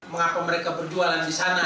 mengapa mereka berjualan di sana